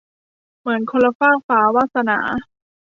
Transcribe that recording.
เหมือนคนละฟากฟ้า - วาสนา